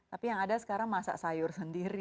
tapi yang ada sekarang masak sayur sendiri